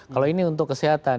kalau ini untuk kesehatan